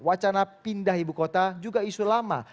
wacana pindah ibu kota juga isu lama